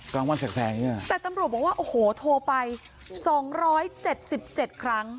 กล้ามวันแสงแสงอย่างเงี้ยแต่ตำรวจบอกว่าโอ้โหโทรไปสองร้อยเจ็ดสิบเจ็ดครั้ง